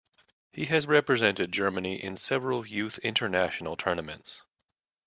He has represented Germany in several youth international tournaments.